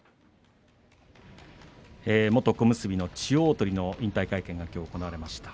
元小結の千代鳳の引退会見がきょう行われました。